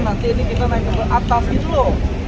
nanti ini kita naik ke atas gitu loh